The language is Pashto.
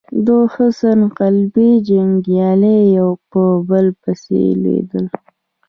د حسن قلي جنګيالي يو په بل پسې لوېدل.